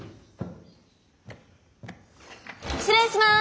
失礼しまーす。